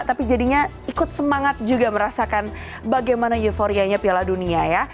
tapi jadinya ikut semangat juga merasakan bagaimana euforianya piala dunia ya